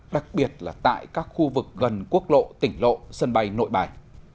đặc biệt là tại các khu vực gần quốc lộ tỉnh lộ sân bay nội bài